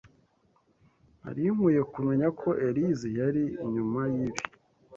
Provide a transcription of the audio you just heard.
Nari nkwiye kumenya ko Elyse yari inyuma yibi.